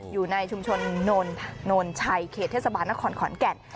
อยู่ในชุมชนโนนชัยเขตเทศบาลนครขอนแก่น